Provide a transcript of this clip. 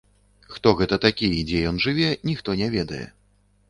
Хто гэта такі і дзе ён жыве, ніхто не ведае.